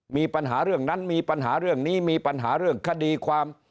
มีปัญหาเรื่องนั้นมีปัญหาเรื่องนี้มีปัญหาเรื่องคดีความ